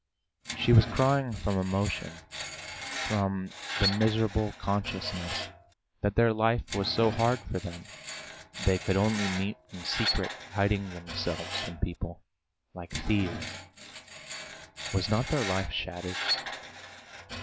She was crying from emotion, from the miserable consciousness that their life was so hard for them; they could only meet in secret, hiding themselves from people, like thieves! Was not their life shattered?